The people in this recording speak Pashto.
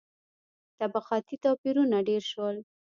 • طبقاتي توپیرونه ډېر شول.